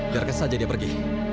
biarkan saja dia pergi